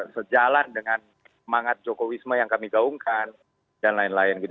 sejalan dengan manget joko wisme yang kami gaungkan dan lain lain gitu